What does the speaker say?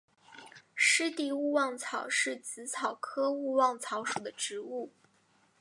湿地勿忘草是紫草科勿忘草属的植物。